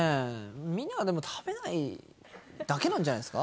みんなが食べないだけなんじゃないですか。